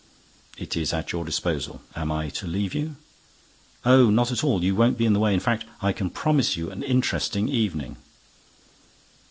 "It is at your disposal. Am I to leave you?" "Oh, not at all! You won't be in the way. In fact, I can promise you an interesting evening."